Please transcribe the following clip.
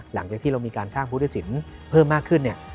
หลังจากที่เรามีการสร้างผู้ทศิลป์เพิ่มมากขึ้น